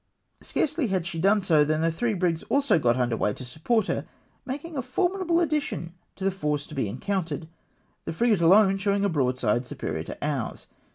Scarcely had she done so, than the three brigs also got under weigh to support her, making a formidable addition to the force to be encountered, the frigate alone showing a broadside superior to ours.